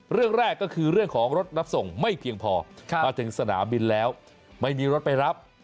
เรื่องแรกก็คือเรื่องของรถรับส่งไม่เพียงพอมาถึงสนามบินแล้วไม่มีรถไปรับ